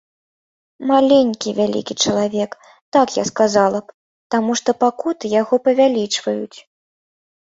Маленькі вялікі чалавек, так я сказала б, таму што пакуты яго павялічваюць.